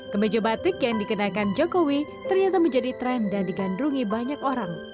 kemeja batik yang dikenakan jokowi ternyata menjadi tren dan digandrungi banyak orang